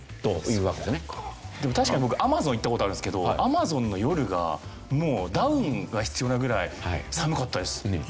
でも確かに僕アマゾン行った事あるんですけどアマゾンの夜がもうダウンが必要なぐらい寒かったです。